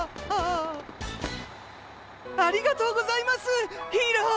ありがとうございますヒーロー。